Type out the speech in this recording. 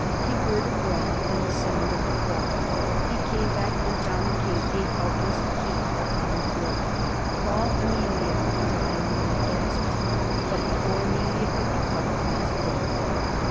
He heard a groan and the sonnd of a fall. He came back, and found the King a helpless heap upon the floor. ^^Call Amelia," the dying man gasped ; but before Amelia could be called he was dead.